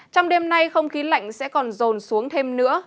trong đêm nay không khí lạnh sẽ còn rồn xuống thêm nữa